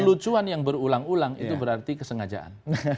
kelucuan yang berulang ulang itu berarti kesengajaan